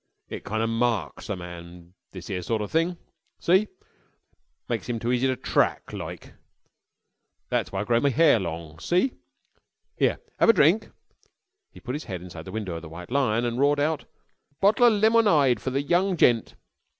It kinder marks a man, this 'ere sort of thing. See? Makes 'im too easy to track, loike. That's why I grow me hair long. See? 'Ere, 'ave a drink?" He put his head inside the window of the White Lion and roared out "Bottle o' lemonide fer the young gent."